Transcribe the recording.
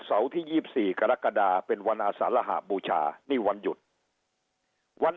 เสาร์ที่ยี่สิบสี่กรกฎาเป็นวันอาสารหาบูชานี่วันหยุดวัน